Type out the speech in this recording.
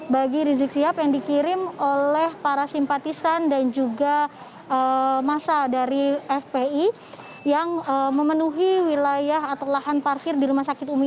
bagi rizik sihab yang dikirim oleh para simpatisan dan juga masa dari fpi yang memenuhi wilayah atau lahan parkir di rumah sakit umi